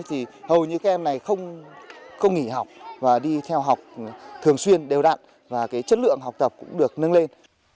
thì hầu như các em này không nghỉ học và đi theo học thường xuyên đều đặn và cái chất lượng học tập cũng được nâng lên